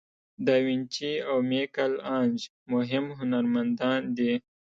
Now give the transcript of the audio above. داوینچي او میکل آنژ مهم هنرمندان دي.